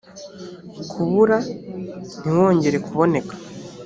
kubura ntiwongere kuboneka